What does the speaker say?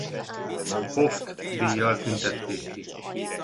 Hooft-díjjal tüntették ki.